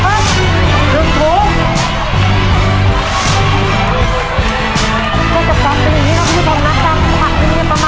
ได้ไหมลูกได้แล้วขอบคุณต้อนรับทั้งแม่ในกรรมการ